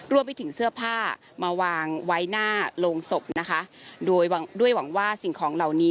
รวมไปถึงเสื้อผ้ามาวางไว้หน้าโรงศพนะคะโดยด้วยหวังว่าสิ่งของเหล่านี้